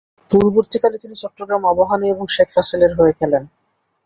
পরবর্তীকালে, তিনি চট্টগ্রাম আবাহনী এবং শেখ রাসেলের হয়ে খেলেছেন।